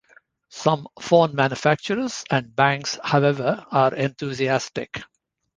Some phone manufacturers and banks, however, are enthusiastic.